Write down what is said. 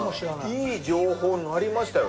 いい情報になりましたよね。